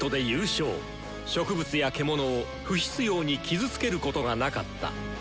植物や獣を不必要に傷つけることがなかった。